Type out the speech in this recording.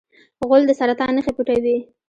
غول د سرطان نښې پټوي.